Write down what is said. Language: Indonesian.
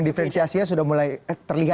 substansiasinya sudah mulai terlihat